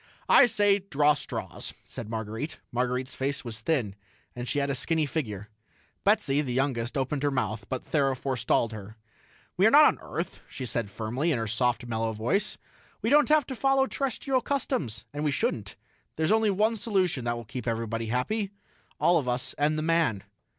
"I say, draw straws," said Marguerite. Marguerite's face was thin, and she had a skinny figure. Betsy, the youngest, opened her mouth, but Thera forestalled her. "We are not on Earth," she said firmly, in her soft, mellow voice. "We don't have to follow terrestrial customs, and we shouldn't. There's only one solution that will keep everybody happy all of us and the man."